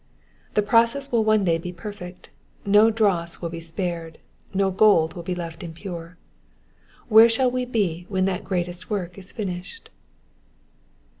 The process will one day be perfect ; no dross will be spared, no gold will be left impure. Where shall we be when that great work is finished